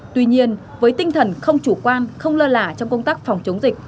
tuy nhiên với tinh thần không chủ quan không lơ lả trong công tác phòng chống dịch